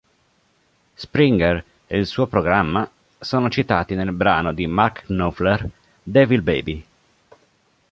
Springer ed il suo programma sono citati nel brano di Mark Knopfler "Devil Baby".